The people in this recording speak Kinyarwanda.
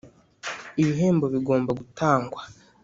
Ibihembo bigomba gutangwa.